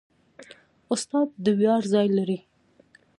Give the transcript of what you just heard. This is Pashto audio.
استاد د ویاړ ځای لري.